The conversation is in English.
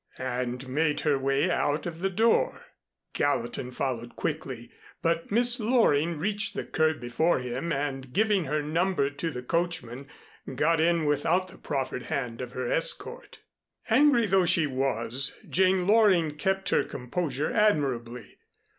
and made her way out of the door. Gallatin followed quickly, but Miss Loring reached the curb before him and giving her number to the coachman, got in without the proffered hand of her escort. Angry though she was, Jane Loring kept her composure admirably.